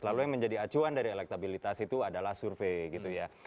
lalu yang menjadi acuan dari elektabilitas itu adalah survei gitu ya